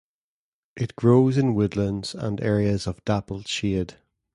It grows in woodlands and areas of dappled shade.